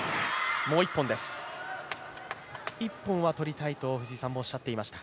１本は取りたいと藤井さんもおっしゃっていました